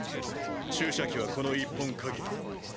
注射器はこの１本限り。